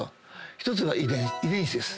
１つは遺伝子です。